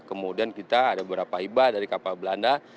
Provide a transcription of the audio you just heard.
kemudian kita ada beberapa hibah dari kapal belanda